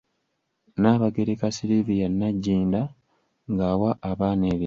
Nnaabagereka Sylvia Nagginda ng’awa abaana ebirabo.